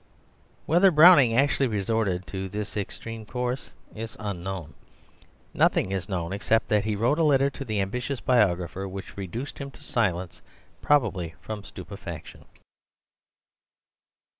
Whether Browning actually resorted to this extreme course is unknown; nothing is known except that he wrote a letter to the ambitious biographer which reduced him to silence, probably from stupefaction.